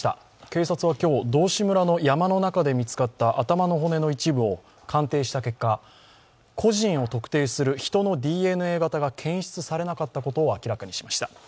警察は今日道志村の山の中で見つかった頭の骨の一部を鑑定した結果、個人を特定するヒトのＤＮＡ型が検出されなかったことを明らかにしました。